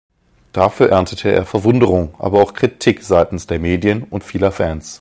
Dafür erntete er Verwunderung, aber auch Kritik seitens der Medien und vieler Fans.